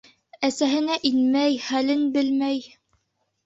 Әсәһенә инмәй, хәлен белмәй.